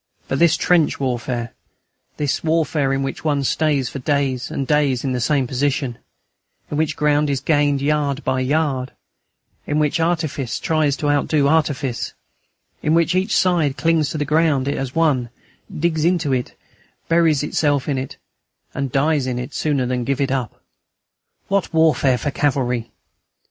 But this trench warfare, this warfare in which one stays for days and days in the same position, in which ground is gained yard by yard, in which artifice tries to outdo artifice, in which each side clings to the ground it has won, digs into it, buries itself in it, and dies in it sooner than give it up! What warfare for cavalry!